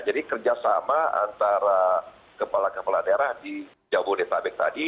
jadi kerjasama antara kepala kepala daerah di jabodetabek tadi